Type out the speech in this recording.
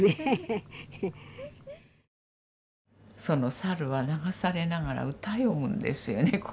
その猿は流されながら歌詠むんですよね。